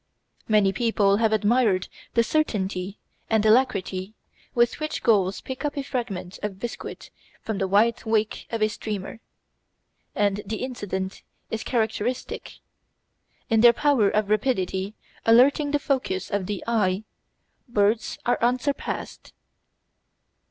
Many people have admired the certainty and alacrity with which gulls pick up a fragment of biscuit from the white wake of a steamer, and the incident is characteristic. In their power of rapidly altering the focus of the eye, birds are unsurpassed.